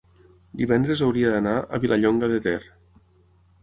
divendres hauria d'anar a Vilallonga de Ter.